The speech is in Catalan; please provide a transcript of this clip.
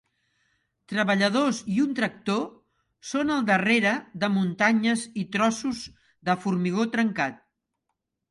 Treballadors i un tractor són al darrere de muntanyes i trossos de formigó trencat.